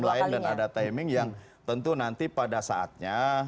selain dan ada timing yang tentu nanti pada saatnya